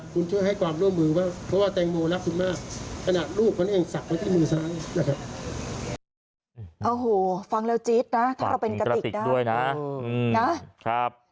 คุณช่วยให้ความร่วมมือมากเพราะว่าแตงโมรักคุณมาก